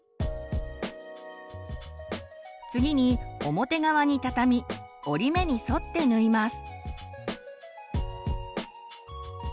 次に表側に畳み折り目に沿って縫います。